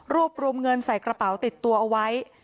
รวมเงินใส่กระเป๋าติดตัวเอาไว้